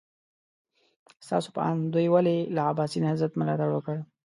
ستاسو په اند دوی ولې له عباسي نهضت ملاتړ وکړ؟